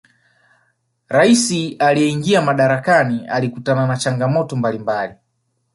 raisi aliyeingia madarakani alikutana na changamoto mbalimbali